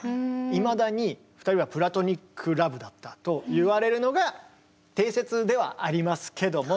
いまだに２人はプラトニックラブだったといわれるのが定説ではありますけども。